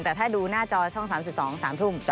แต่ถ้าดูหน้าจอช่อง๓๒๓ทุ่ม